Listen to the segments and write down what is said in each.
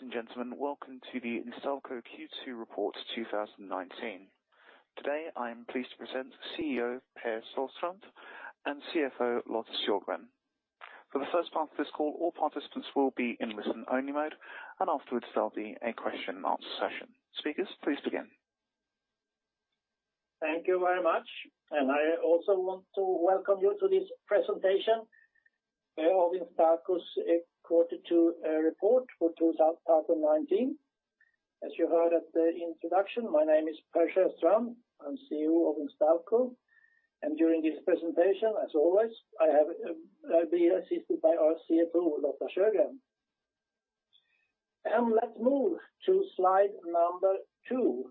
Ladies and gentlemen, welcome to the Instalco Q2 Report 2019. Today, I am pleased to present CEO Per Sjöstrand and CFO Lotta Sjögren. For the first part of this call, all participants will be in listen-only mode, and afterwards there'll be a question and answer session. Speakers, please begin. I also want to welcome you to this presentation of Instalco's quarter two report for 2019. As you heard at the introduction, my name is Per Sjöstrand. I'm CEO of Instalco, and during this presentation, as always, I have been assisted by our CFO, Lotta Sjögren. Let's move to slide number two,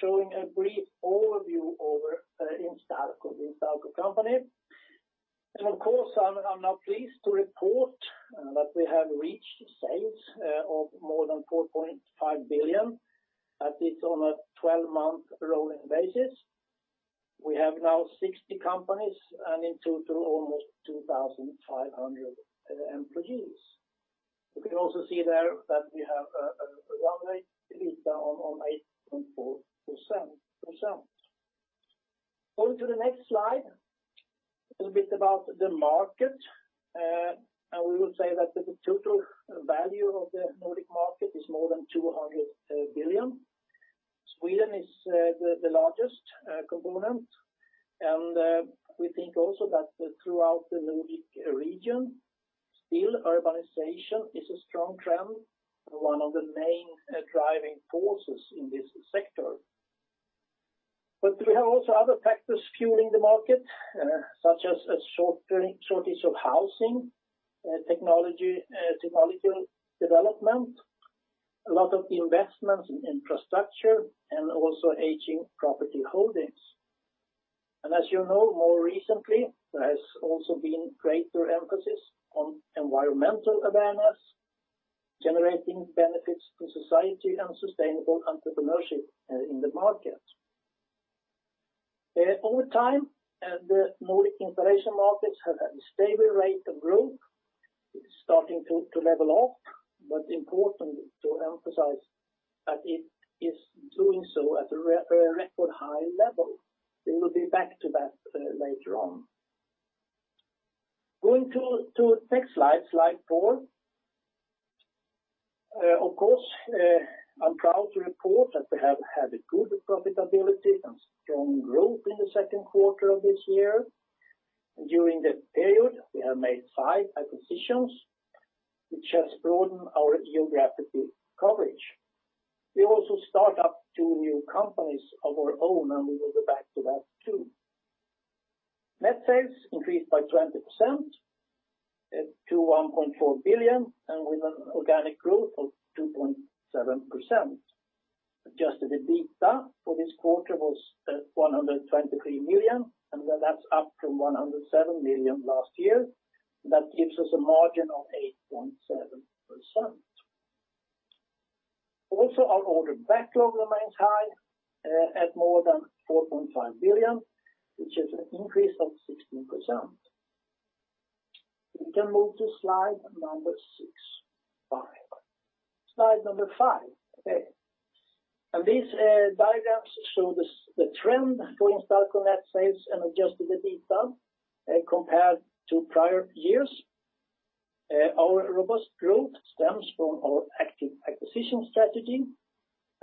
showing a brief overview over the Instalco company. Of course, I'm now pleased to report that we have reached sales of more than 4.5 billion. That is on a 12-month rolling basis. We have now 60 companies and in total almost 2,500 employees. You can also see there that we have a running EBITDA on 8.4%. Going to the next slide, a little bit about the market. We will say that the total value of the Nordic market is more than 200 billion. Sweden is the largest component, and we think also that throughout the Nordic region, still urbanization is a strong trend and one of the main driving forces in this sector. We have also other factors fueling the market, such as a shortage of housing, technology development, a lot of investments in infrastructure, and also aging property holdings. As you know, more recently, there has also been greater emphasis on environmental awareness, generating benefits to society, and sustainable entrepreneurship in the market. Over time, the Nordic installation markets have had a stable rate of growth. It's starting to level off, but important to emphasize that it is doing so at a record high level. We will be back to that later on. Going to next slide four. Of course, I'm proud to report that we have had a good profitability and strong growth in the second quarter of this year. During the period, we have made five acquisitions, which has broadened our geographic coverage. We also start up two new companies of our own, and we will go back to that, too. Net sales increased by 20% to 1.4 billion with an organic growth of 2.7%. Adjusted EBITDA for this quarter was 123 million, and that's up from 107 million last year. That gives us a margin of 8.7%. Our order backlog remains high at more than 4.5 billion, which is an increase of 16%. We can move to slide number six. Slide number five. Okay. These diagrams show the trend for Instalco net sales and adjusted EBITDA compared to prior years. Our robust growth stems from our active acquisition strategy.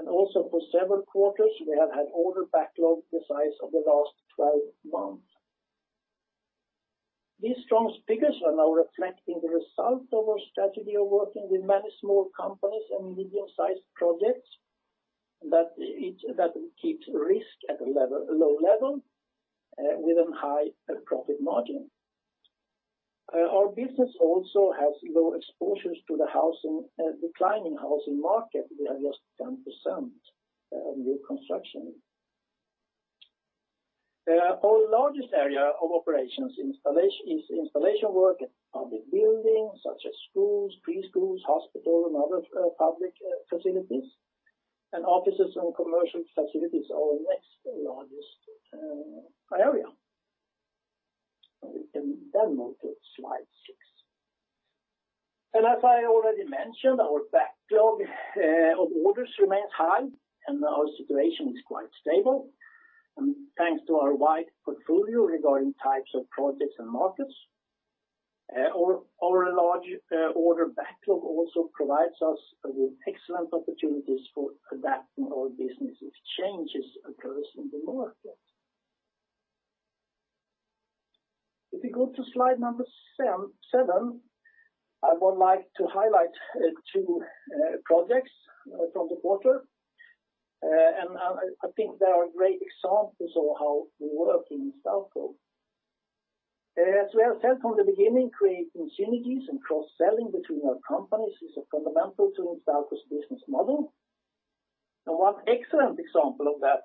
Also for several quarters, we have had order backlog the size of the last 12 months. These strong figures are now reflecting the results of our strategy of working with many small companies and medium-sized projects that keeps risk at a low level with a high profit margin. Our business also has low exposures to the declining housing market with just 10% of new construction. Our largest area of operations is installation work at public buildings such as schools, preschools, hospitals, and other public facilities, and offices and commercial facilities are our next largest area. We can move to slide six. As I already mentioned, our backlog of orders remains high and our situation is quite stable. Thanks to our wide portfolio regarding types of projects and markets. Our large order backlog also provides us with excellent opportunities for adapting our business if changes occurs in the market. If you go to slide number seven, I would like to highlight two projects from the quarter. I think they are great examples of how we work in Instalco. As we have said from the beginning, creating synergies and cross-selling between our companies is fundamental to Instalco's business model. One excellent example of that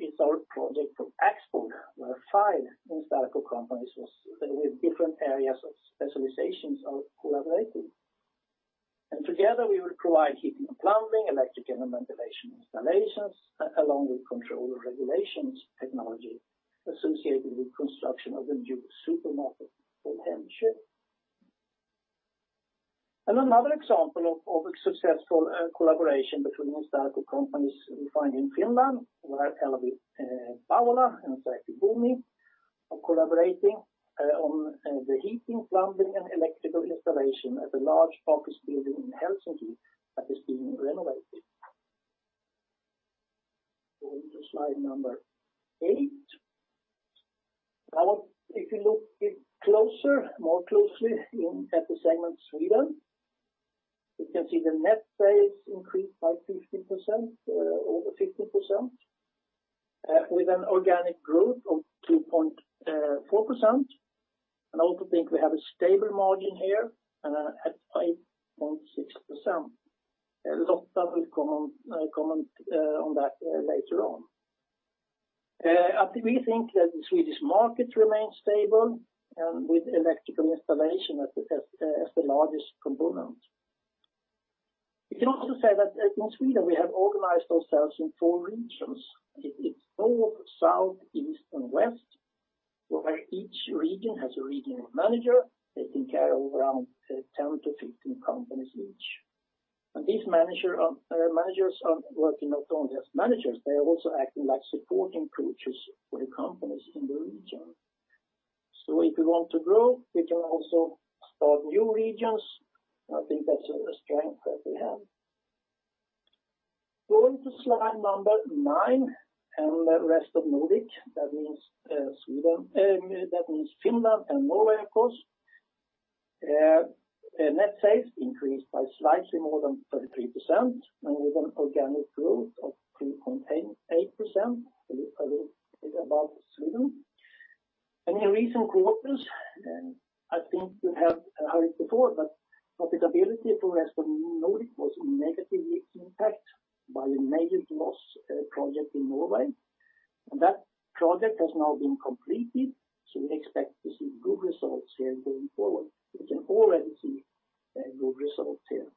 is our project from Axfood, where five Instalco companies with different areas of specializations are collaborating. Together we will provide heating and plumbing, electric and ventilation installations, along with control and regulations technology associated with construction of the new supermarket in Hemköp. Another example of a successful collaboration between Instalco companies we find in Finland are LVI-Paavola and Sähkö-Buumi are collaborating on the heating, plumbing, and electrical installation at a large office building in Helsinki that is being renovated. Going to slide number eight. Now, if you look a bit closer, more closely at the segment Sweden, you can see the net sales increased by over 50%, with an organic growth of 2.4%. I also think we have a stable margin here at 5.6%. Lotta will comment on that later on. We think that the Swedish market remains stable with electrical installation as the largest component. We can also say that in Sweden we have organized ourselves in four regions. It's north, south, east, and west, where each region has a regional manager taking care of around 10 to 15 companies each. These managers are working not only as managers, they are also acting like supporting coaches for the companies in the region. If you want to grow, we can also start new regions, and I think that's a strength that we have. Going to slide number nine, and Rest of Nordic, that means Finland and Norway, of course. Net sales increased by slightly more than 33%, and with an organic growth of 3.8%, a little above Sweden. In the recent quarters, I think you have heard it before, but profitability for Rest of Nordic was negatively impacted by a major loss project in Norway. That project has now been completed, so we expect to see good results here going forward. We can already see good results here.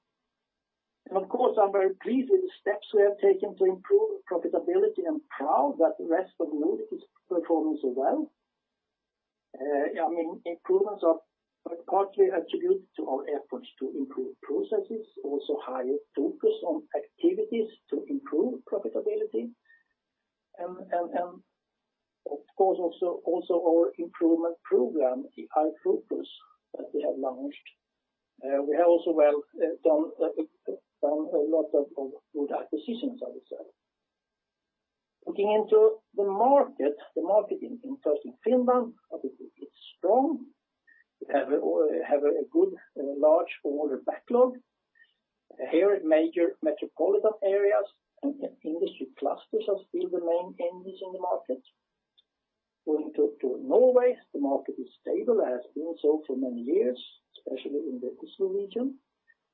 Of course, I'm very pleased with the steps we have taken to improve profitability and proud that the Rest of Nordic is performing so well. Improvements are partly attributed to our efforts to improve processes, also higher focus on activities to improve profitability, of course, also our improvement program, IFOKUS, that we have launched. We have also done a lot of good acquisitions, I would say. Looking into the market, the market in Finland, I think it's strong. We have a good large order backlog. Here, major metropolitan areas and industry clusters are still the main engines in the market. Going to Norway, the market is stable, as been so for many years, especially in the Oslo region,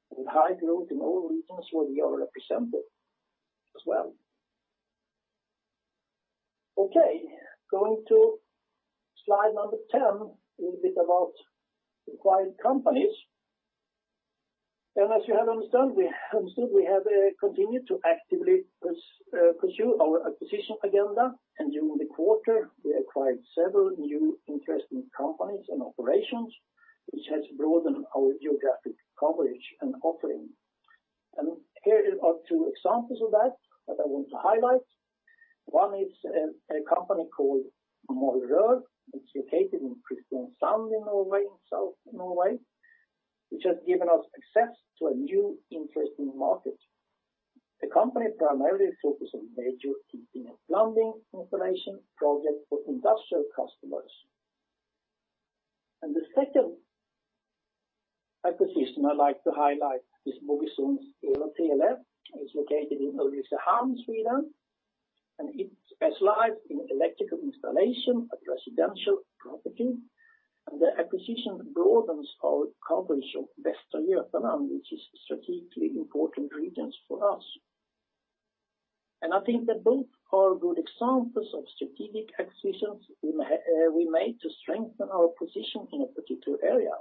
with high growth in all regions where we are represented as well. Okay. Going to slide number 10, a little bit about acquired companies. As you have understood, we have continued to actively pursue our acquisition agenda. During the quarter, we acquired several new interesting companies and operations, which has broadened our geographic coverage and offering. Here are two examples of that that I want to highlight. One is a company called Moi Rør, which is located in Kristiansand in Norway, in south Norway, which has given us access to a new interesting market. The company primarily focuses on major heating and plumbing installation projects for industrial customers. The second acquisition I'd like to highlight is Bogesunds El & Tele. It's located in Östersund, Sweden, and it specializes in electrical installation at residential property. The acquisition broadens our coverage of Västernorrland, which is a strategically important region for us. I think that both are good examples of strategic acquisitions we made to strengthen our position in a particular area.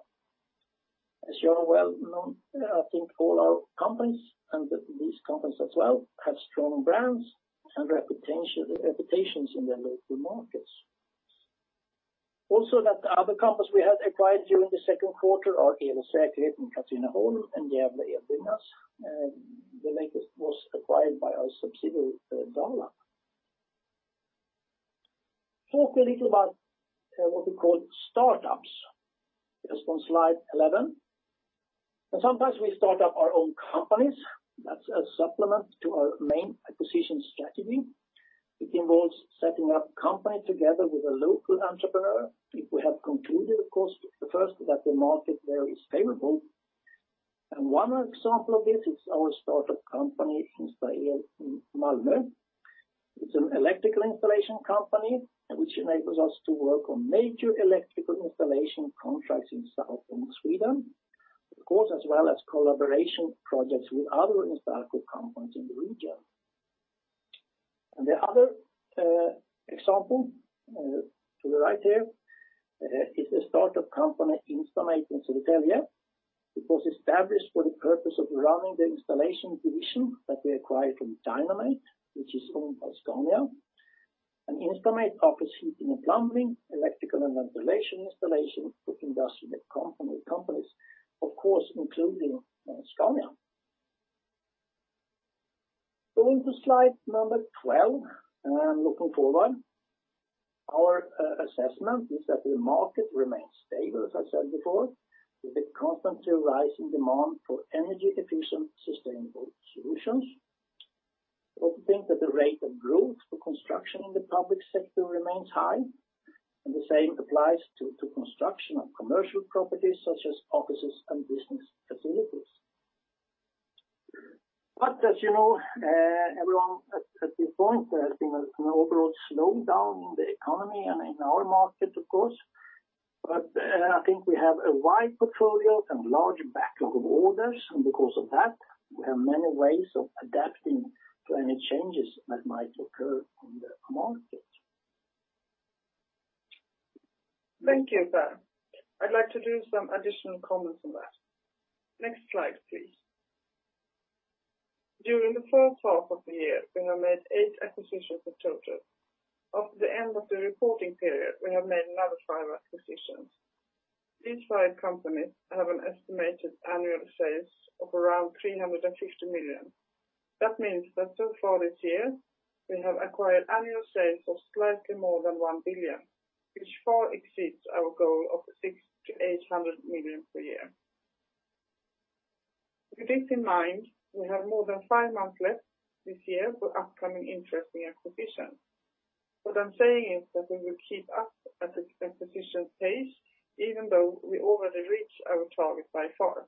As you well know, I think all our companies and these companies as well, have strong brands and reputations in their local markets. Other companies we have acquired during the second quarter are El & Säkerhet in Katrineholm and Gävle Elbyggnads. The latest was acquired by our subsidiary, DALAB. Talk a little about what we call startups. Just on slide 11. Sometimes we start up our own companies. That's a supplement to our main acquisition strategy, which involves setting up company together with a local entrepreneur if we have concluded, of course, first that the market there is favorable. One example of this is our startup company, Insta EL in Malmö. It's an electrical installation company which enables us to work on major electrical installation contracts in southern Sweden, of course, as well as collaboration projects with other Instalco companies in the region. The other example to the right here is a startup company, DynaMate in Södertälje. It was established for the purpose of running the installation division that we acquired from DynaMate, which is owned by Scania. DynaMate offers heating and plumbing, electrical and ventilation installation for industrial companies, of course, including Scania. Going to slide number 12, looking forward. Our assessment is that the market remains stable, as I said before, with a constantly rising demand for energy efficient, sustainable solutions. We also think that the rate of growth for construction in the public sector remains high, the same applies to construction of commercial properties such as offices and business facilities. As you know, everyone at this point, there has been an overall slowdown in the economy and in our market, of course. I think we have a wide portfolio and large backlog of orders, and because of that, we have many ways of adapting to any changes that might occur in the market. Thank you, Per. I'd like to do some additional comments on that. Next slide, please. During the first half of the year, we have made eight acquisitions in total. After the end of the reporting period, we have made another five acquisitions. These five companies have an estimated annual sales of around 350 million. That means that so far this year, we have acquired annual sales of slightly more than 1 billion, which far exceeds our goal of 600 million-800 million per year. With this in mind, we have more than five months left this year for upcoming interesting acquisitions. What I'm saying is that we will keep up at this acquisition pace even though we already reached our target by far.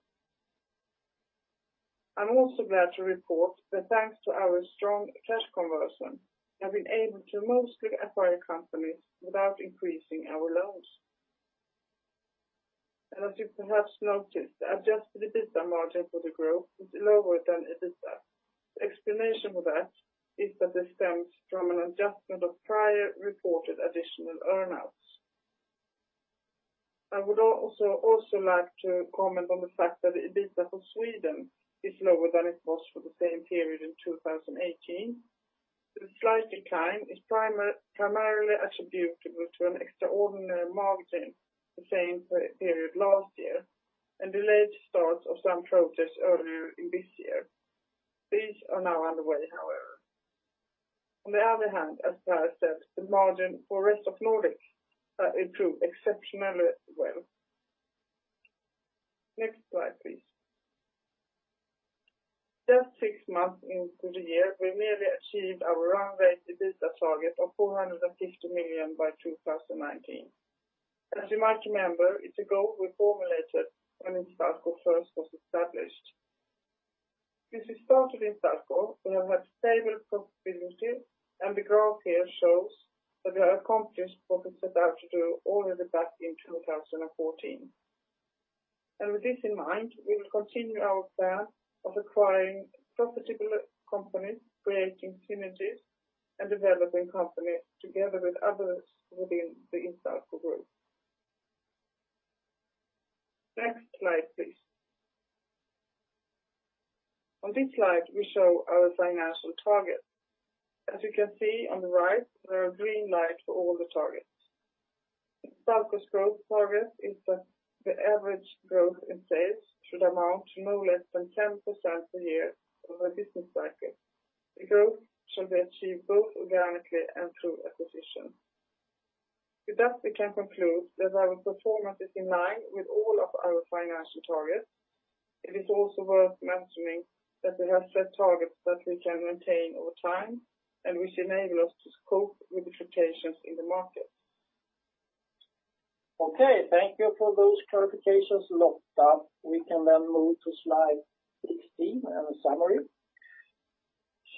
I'm also glad to report that thanks to our strong cash conversion, we have been able to mostly acquire companies without increasing our loans. As you perhaps noticed, the adjusted EBITDA margin for the group is lower than EBITDA. The explanation for that is that this stems from an adjustment of prior reported additional earn-outs. I would also like to comment on the fact that the EBITDA for Sweden is lower than it was for the same period in 2018. The slight decline is primarily attributable to an extraordinary margin the same period last year, and delayed start of some projects earlier in this year. These are now underway, however. On the other hand, as Per said, the margin for Rest of Nordic has improved exceptionally well. Next slide, please. Just six months into the year, we've nearly achieved our run rate EBITDA target of 450 million by 2019. As you might remember, it's a goal we formulated when Instalco first was established. Since we started Instalco, we have had stable profitability, and the graph here shows that we have accomplished what we set out to do all the way back in 2014. With this in mind, we will continue our plan of acquiring profitable companies, creating synergies, and developing companies together with others within the Instalco group. Next slide, please. On this slide, we show our financial targets. As you can see on the right, there are green light for all the targets. Instalco's growth target is that the average growth in sales should amount to no less than 10% a year over a business cycle. The growth should be achieved both organically and through acquisition. With that, we can conclude that our performance is in line with all of our financial targets. It is also worth mentioning that we have set targets that we can maintain over time and which enable us to cope with the fluctuations in the market. Thank you for those clarifications, Lotta. We can move to slide 16 and a summary.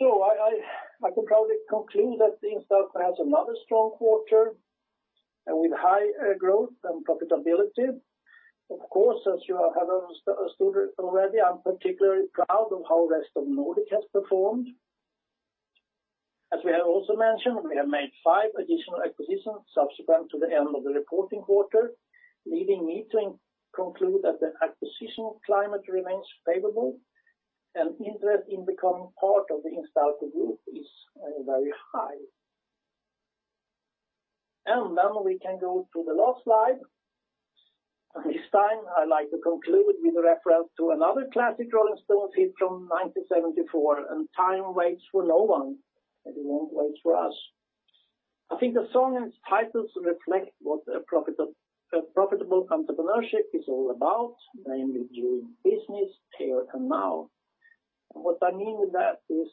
I could probably conclude that Instalco has another strong quarter with high growth and profitability. Of course, as you have understood already, I'm particularly proud of how Rest of Nordic has performed. As we have also mentioned, we have made five additional acquisitions subsequent to the end of the reporting quarter, leading me to conclude that the acquisition climate remains favorable and interest in becoming part of the Instalco group is very high. We can go to the last slide. This time, I'd like to conclude with a reference to another classic Rolling Stones hit from 1974, and time waits for no one, and it won't wait for us. I think the song and its titles reflect what profitable entrepreneurship is all about, namely doing business here and now. What I mean with that is,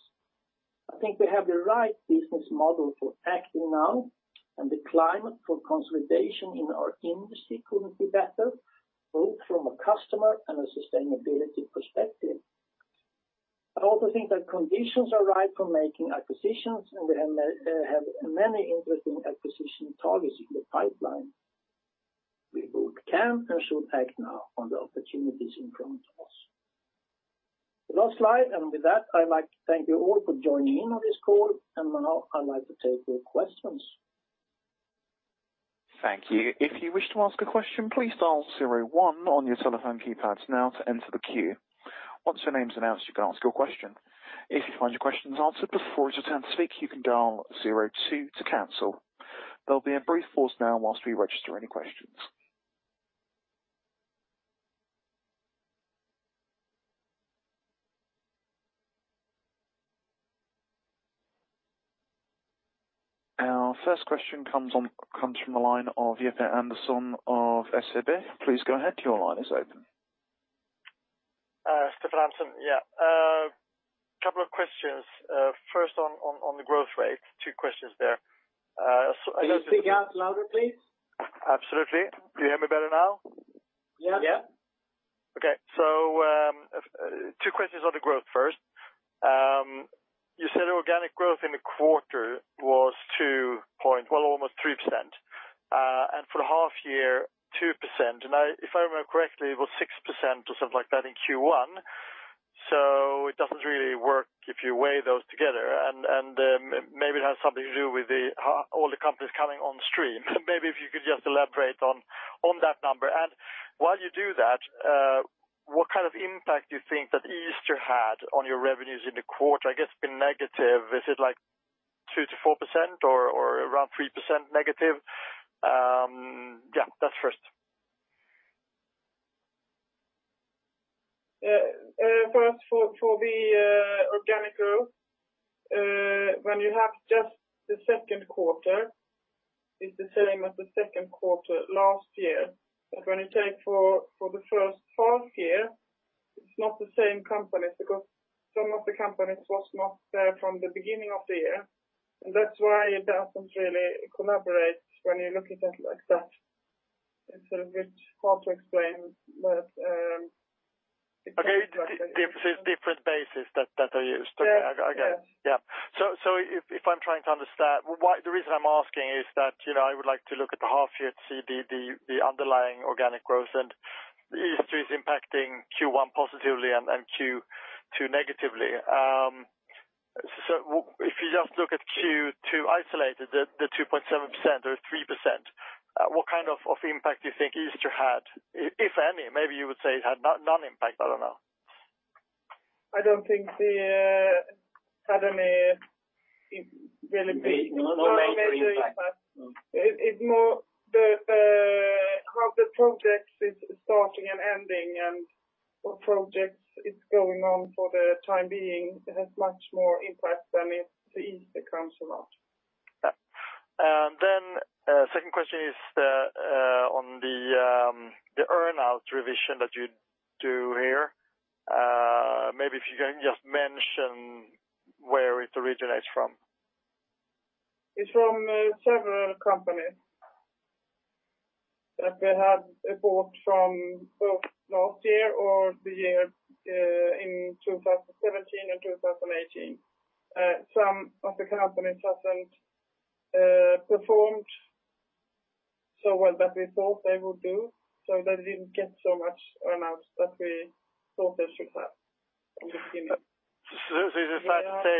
I think we have the right business model for acting now, and the climate for consolidation in our industry couldn't be better, both from a customer and a sustainability perspective. I also think that conditions are right for making acquisitions, and we have many interesting acquisition targets in the pipeline. We can and should act now on the opportunities in front of us. Last slide. With that, I'd like to thank you all for joining in on this call, and now I'd like to take your questions. Thank you. If you wish to ask a question, please dial 01 on your telephone keypads now to enter the queue. Once your name's announced, you can ask your question. If you find your question's answered before it's your turn to speak, you can dial 02 to cancel. There'll be a brief pause now while we register any questions. Our first question comes from the line of Stefan Andersson of SEB. Please go ahead, your line is open. Stefan Andersson, yeah. A couple of questions. First, on the growth rate, two questions there. Can you speak out louder, please? Absolutely. Can you hear me better now? Yeah. Okay. Two questions on the growth first. You said organic growth in the quarter was 2 point almost 3%, and for the half year, 2%. If I remember correctly, it was 6% or something like that in Q1, so it doesn't really work if you weigh those together. Maybe it has something to do with all the companies coming on stream. Maybe if you could just elaborate on that number. While you do that, what kind of impact do you think that Easter had on your revenues in the quarter? I guess it's been negative. Is it like 2%-4% or around 3% negative? Yeah, that's first. For the organic growth, when you have just the second quarter, it's the same as the second quarter last year. When you take for the first half year, it's not the same companies, because some of the companies was not there from the beginning of the year, that's why it doesn't really correlate when you look at it like that. It's a bit hard to explain. Okay. Different bases that are used. Yeah. Okay. I get it. Yeah. If I'm trying to understand, the reason I'm asking is that I would like to look at the half year to see the underlying organic growth and Easter is impacting Q1 positively and Q2 negatively. If you just look at Q2 isolated, the 2.7% or 3%, what kind of impact do you think Easter had, if any? Maybe you would say it had none impact. I don't know. I don't think it had any really big. No major impact. no major impact. It's more how the project is starting and ending, and what projects is going on for the time being. It has much more impact than if the Easter comes or not. Yeah. Second question is on the earn-out revision that you do here. Maybe if you can just mention where it originates from. It's from several companies that we had bought from both last year or the year in 2017 and 2018. Some of the companies hasn't performed so well that we thought they would do. They didn't get so much earn-outs that we thought they should have in the beginning. Is it fair to say?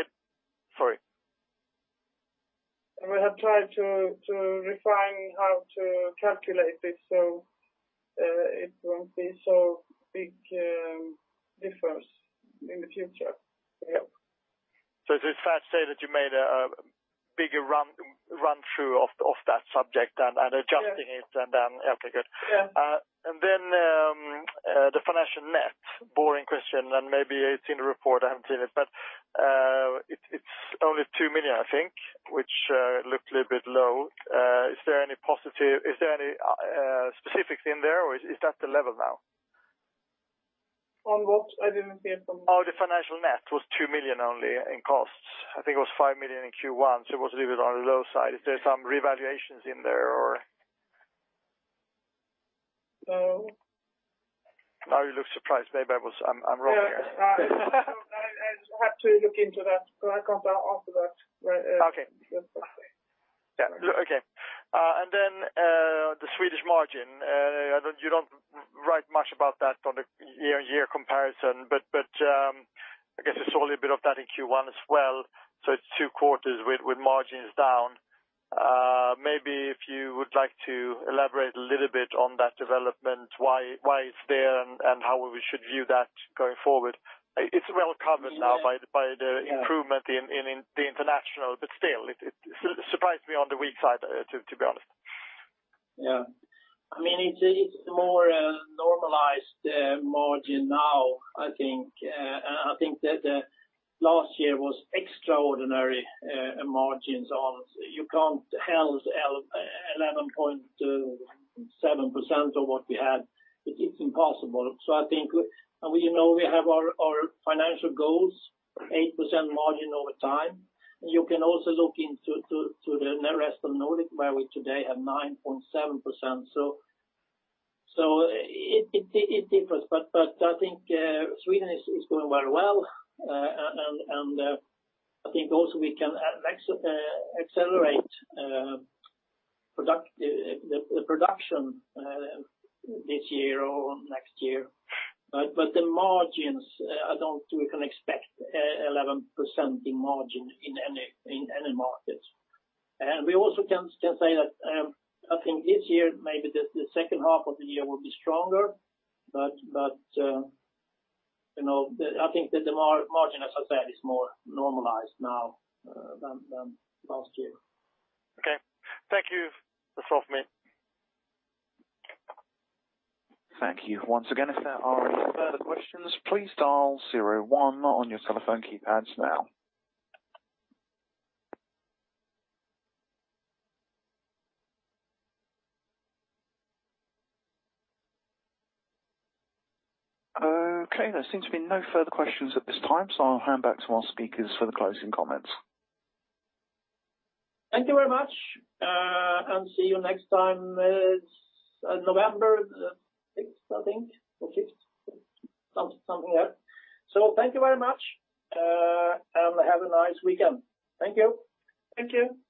Sorry. We have tried to refine how to calculate this so it won't be so big difference in the future. Yeah. Is it fair to say that you made a bigger run-through of that subject and adjusting it? Okay, good. Yeah. The financial net. Boring question, and maybe it's in the report, I haven't seen it, but it's only 2 million, I think, which looked a little bit low. Is there any specifics in there or is that the level now? On what? I didn't get from- The financial net was 2 million only in costs. I think it was 5 million in Q1. It was a little bit on the low side. Is there some revaluations in there or? No. Now you look surprised. Maybe I'm wrong here. I have to look into that because I can't answer that right away. Okay. The Swedish margin. You don't write much about that on the year-on-year comparison, but I guess I saw a little bit of that in Q1 as well. It's two quarters with margins down. Maybe if you would like to elaborate a little bit on that development, why it's there and how we should view that going forward. It's well covered now by the improvement in the international, but still, it surprised me on the weak side, to be honest. Yeah. It's more a normalized margin now, I think. I think that last year was extraordinary margins on. You can't have 11.7% of what we had. It's impossible. I think we have our financial goals, 8% margin over time. You can also look into the Rest of Nordic, where we today have 9.7%. It differs, I think Sweden is doing very well, and I think also we can accelerate the production this year or next year. The margins, I don't think we can expect 11% in margin in any market. We also can say that I think this year, maybe the second half of the year will be stronger. I think that the margin, as I said, is more normalized now than last year. Okay. Thank you. That's all from me. Thank you once again. If there are any further questions, please dial 01 on your telephone keypads now. Okay, there seems to be no further questions at this time. I'll hand back to our speakers for the closing comments. Thank you very much, and see you next time. It's November 6th, I think, or 5th. Something like that. Thank you very much, and have a nice weekend. Thank you. Thank you.